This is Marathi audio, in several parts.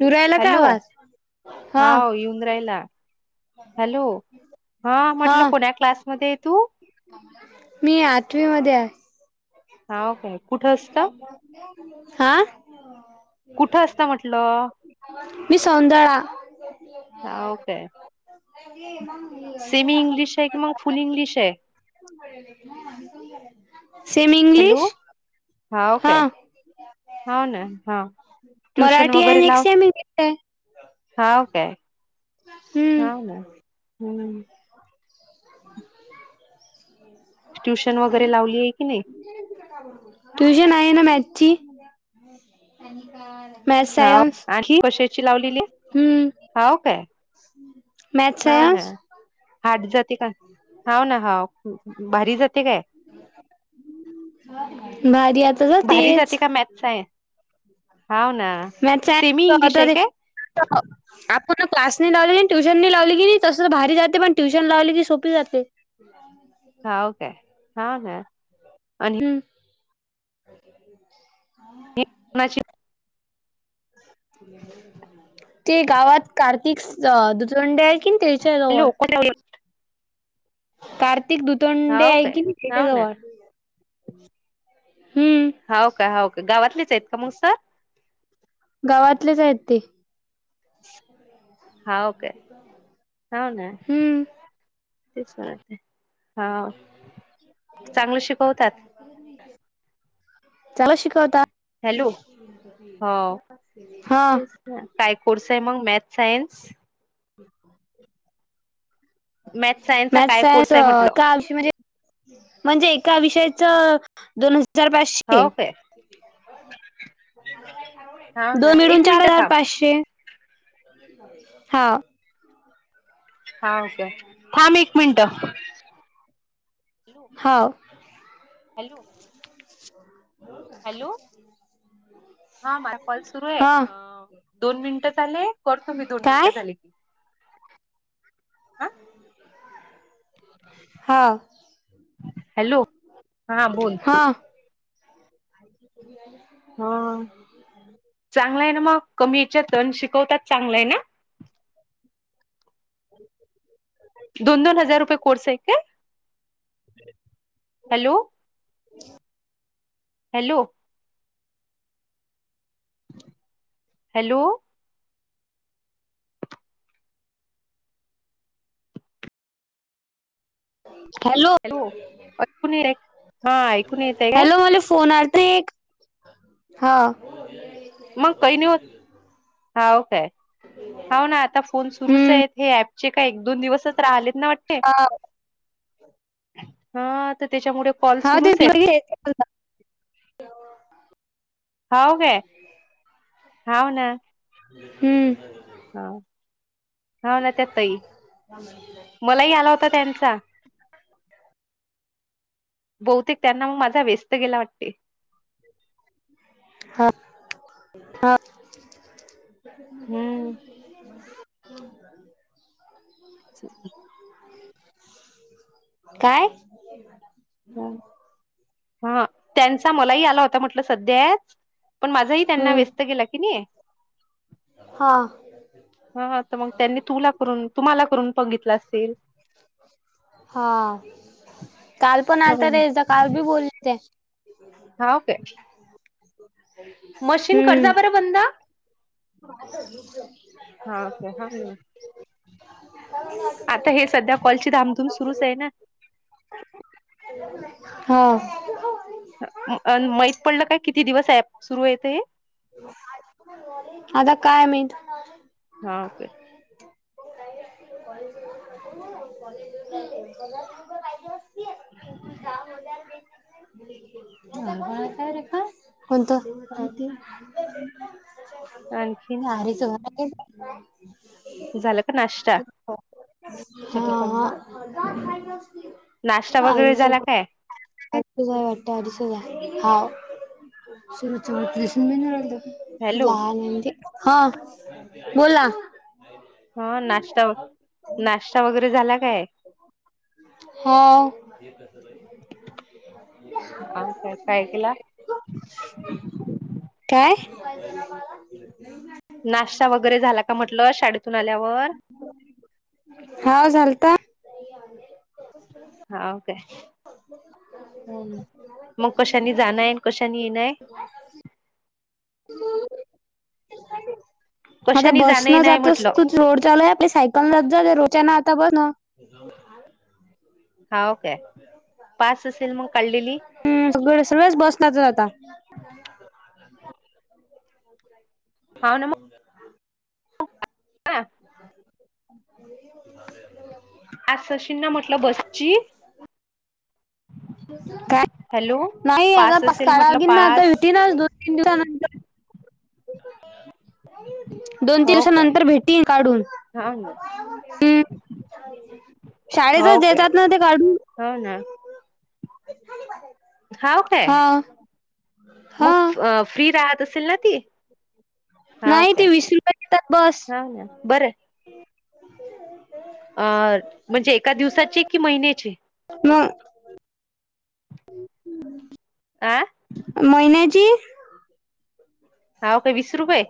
येऊ रायला का हॅलो आवाज? हाव येऊन राहिला हॅलो हा म्हटलं कोणा क्लासमध्ये आहे तू? मी आठवी मध्ये हाय. हावं काय कुठं असतो. हा कुठं असतं म्हटलं मी सौंदाळा [unintelligible] सेमि इंगलिश आहे की मंग फुल इंगलिश आहे. Same hello English. हाव काय. हो ना हा ट्युशन मराठी आहे वगैरे आणि एक लाव. सेम इंग्लिश आहे. हाव काय हम्म हावं ना हम्म ट्युशन वगैरे लावली आहे की नाही तुझे ना नाय ना मॅथ्स ची हावं आणी कशाची लावलेलीये हम्म हाव काय. मॅथ हा ना सायन्स हारड जाते का हा ना हा भारी जाते काय भारी आता भारी जाते जातेच का मॅथस आहे हाव ना [unintelligible] सेमी इंग्लिश आहे काय कुठ क्लास नाही लावलेली ट्यूशन नाही लावली की नाही तसचं भारी जाते पण ट्युशन लावली की सोपी जाते. [unintelligible] हावं का हा काय? आणि हम्म णाची? ते गावात कार्तिक सं अ दुचंड्या हाय. की तेच्याजवळ लोक कार्तिक दुतोंडे हाव हाय काय कीनय हाव ना तेच्याजवळ. हाव का हाव का गावातलेच आहेत का मंग सर गावातलेच आहेत ते. हावं काय हाव ना हम्म तेच वारत ये. शिकवतात [unintelligible] चला शिकवता हॅलो हो हा ते काय कोर्स आहे मग मॅथ सायन्स ह ब मॅथ सायन्सचा मॅस काय सायन्स कोर्स आहे म्हटलं एकाषय म्हणजे म्हणजे एका विषय दोन हजार पाचशे हो काय हाव ना दोन मिळून एक चार मिनिटं हजार थांब पाचशे हा हाके थांब एक मिनट हा हॅलो हॅलो हा माझ कॉल सुरू आहे हा दोन मिनिटं झाले करतो मी दोन काय मिनिटं झाली की हं हा हॅलो हा बोल हा [unintelligible] चांग आहे ना मग कमी याच्या शिकवतात चांगलं आहे ना अ दोन दोन हजार रुपये कोर्स आहे का हॅलो हॅलो हॅलो हॅलो ऐकून येत हा ऐकून येतय काय हॅलो मला फोन आ ते हा मग काही नाही होत हा ओ काय हम् होा ना आता फोन सुरूच आहेत हे ऍपचे का एक दोन दिवसच राहिलेत ना वाटते हा हा तर त्याच्यामुळे कॉल हा ते सुरूच आहेत हाव काय हम्म हा मलाही आला होता त्यांचा ह बहुतेक त्यांना मग माझा व्यस्त गेला वाटते हात हात हम्म हो [inaudible] काय ह हा त्यांचा मलाही आला होता म्हटलं सध्याच पण माझाही त्यांना हम्म व्यस्त गेला की नाही हा हा तर मग त्यांनी तुला करून तुम्हाला करून बघितलं असेल हा काल पण आलता रे जा काल बी बोलते हा ओके [inaudible] मशीन कर जा हम्म बरं बंद हा ओके हा [unintelligible] आता हे सध्या कॉलची धामधूम सुरूच आहे ना? हो अन माहित पडलं काय किती दिवस आहे? सुरू येत हे आता काय मी हा ओके [unintelligible] [inaudible] [unintelligible] कोणतं आणखीन सारी [unintelligible] झालं का नाश्ता? हा ह [unintelligible] नाश्ता वगैरे व्हय झाला काय वाटतं अडीच हजार [unintelligible] हॅलो लहान आहे ना ती. हं बोला हा नाश्ता नाश्ता वगैरे झाला काय? हा. हा काय काय केला [inaudible] काय नाश्ता वगैरे झाला का म्हटल शाडेतून आल्यावर? हाव झालता. [inaudible] हाव काय? मग कशानी जाणं आहे कशानी ये [inaudible] आता कशानी बस जाणं नं येणं आहे जातोस म्हटलं तू रोड चालू आपले सायकल नं जात रोडच्यानातं तवं ना हा ओ काय पास असेल मग काढलेली हम् सगळे सगळेच बसला जा ता हाव ना मग [unintelligible] [unintelligible] आज सचिन ना म्हटलं बसची [unintelligible] काय? हॅलो नाही आता पास असेल म्हटलं काढागीन ना आता पास युतीनच दोन तीन दिवसानंतर. दोन तीन हो काय दिवसानंतर भेटीन काढून. हाव ना हुं शाळेतच हो काय देतात ना ते काढून. हो ना तूच खाली बस हाव काय, मग हा फ्री राहत असेल ना ती? हाव नाही ते काय वीस रुपये घेतात बस. हाव ना अं म्हणजे एका दिवसाचे कि महिन्याचे. मग महिन्याची हा काय वीस रुपये?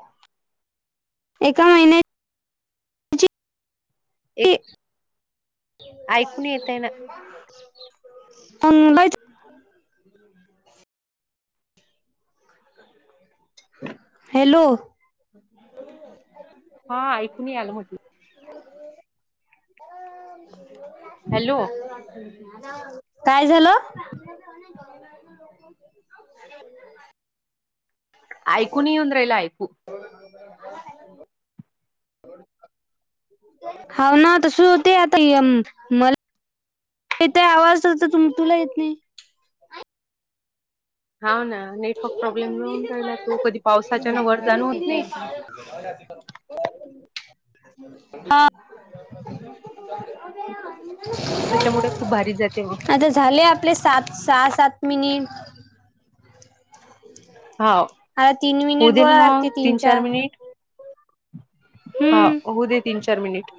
एका महिन्यात ते एक ऐकून येत आहे ना [unintelligible] [unintelligible] [inaudible] हॅलो हा ऐकू नही आलं म्हटलं. [inaudible] हॅलो काय झालं [inaudible] ऐकूून येऊन राहिला ऐकू हाव ना त सु होते आता [unintelligible] मला ते आवाज तु [unintelligible] तुला येत नाही हाव ना, नेटवर्क प्रॉब्लेम येऊन राहिला तो. कधी पावसाच्यानं वर जाणं होत नाही. [inaudible] हा हम् [inaudible] त्याच्यामुळे खूप भारी जाते मग. [unintelligible] आता झाले आपले सात सहा सात मिनिट हाव. आता तीन होऊ मिनिट दे ना बोळा लागते मग तीन चार मिनिट. हा हम्म हो दे तीन चार मिनिट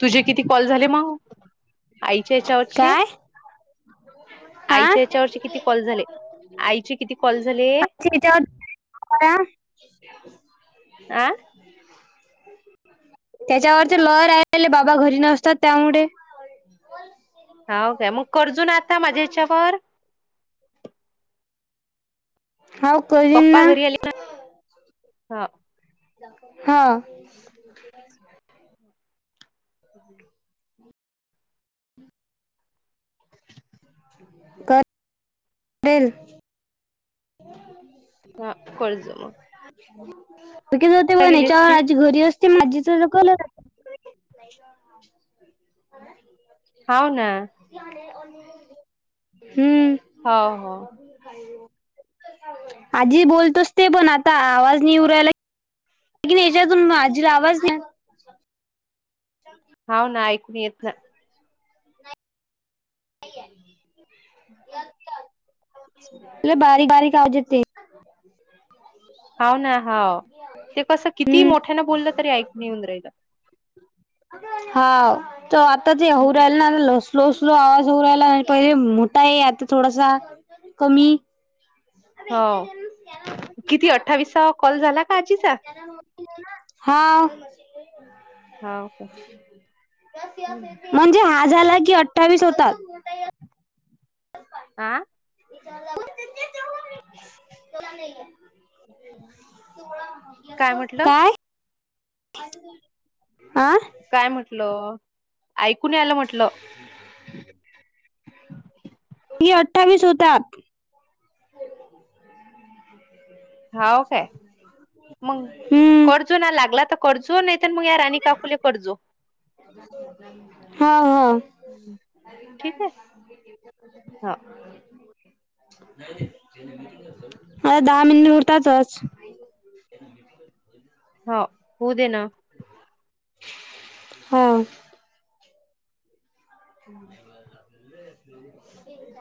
तुझे किती कॉल झाले मग आईच्या याच्यावरचे काय हा आईच्या याच्यावरचे किती कॉल झाले आईचे किती कॉल झाले का [unintelligible] आ? त्याच्यावरच लहर राहिले बाबा घरी नसतात त्यामुळे हाव काय मग कर्जून आता माझ्या याच्यावर हव करीन [unintelligible] पप्पा ना घरी आले का? हा हा ठी [unintelligible] आहे हम्म दल [unintelligible] ह कोळज [unintelligible] म तक [unintelligible] ज ते बनच्या आजी घरी असते ते माझी [unintelligible] कल हो ना कने [unintelligible] हम हो, हो. आजी बोलतोच ते पण आता आवाज नि उरायला न याच्यातून माझीला आवाज द्या हाव ना ऐकू येत नाही म [unintelligible] बारीक बारीक प्रजतिक [unintelligible] हा ना [unintelligible] हा ते कस किती हम्म मोठ्याना बोललं तरी ऐकून येेऊन राहिलं हा त आता जे होऊ हं. राहिल ना लस स्लो स्लो आवाज उ रायला पहिजे मोठा आहे आता थोडासा कमी हो किती अठ्ठावीसा कॉल झाला का आजीचा हा हाव काय? हं. म्हणजे हा झाला कि अठ्ठावीस होतात आह [unintelligible] ला काय त [inaudible] म्हटलं? काय आं काय म्हटलं ऐकून यालं म्हटल मी [unintelligible] अठ्ठावीस हुतात हाव काय मग हम्म कजुना [unintelligible] लागला तर कजुून [unintelligible] य या रणी काकुले करजो हा हा अर हं. ठीक आहे? हो, [inaudible] [inaudible] मिटलं. ह हो दे ना. हा. हम्म! [inaudible]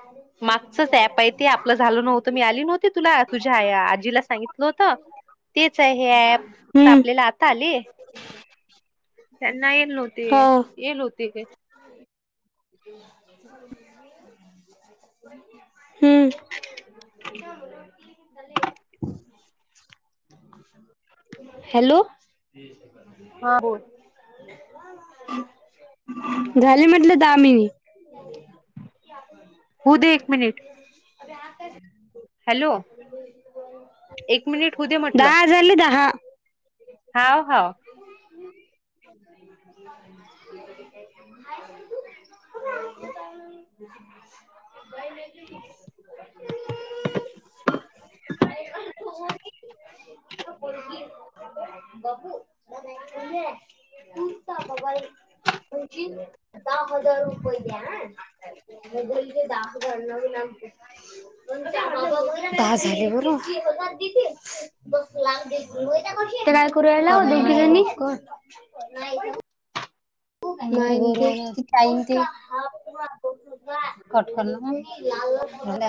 मागचच ऍप आहे ते आपलं झालं नव्हतं मी आली नव्हती तुला तुझ्या आई आजीला सांगितलं नव्हत तेच आहे हे ॲप फक्त हम्म आपल्याला आता आले. त्यांना येल नव्हते हा येल होते काय [inaudible] हम्म हॅलो! हा बोल. झाली म्हटलं दहा मिनिटं. हु दे एक मिनिट. हॅलो! एक मिनिट. होऊ दे म्हटलं दहा झाले दहा. हाव हाव. हजार रुपये द्या हा [unintelligible] [unintelligible] दहा झाले बरं [unintelligible] ते काय करून रायला दोघीजणी कर नाही गं [unintelligible] [unintelligible]